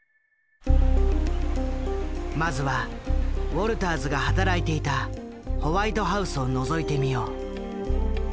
まずはウォルターズが働いていたホワイトハウスをのぞいてみよう。